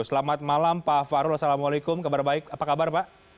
selamat malam pak fahrul assalamualaikum apa kabar pak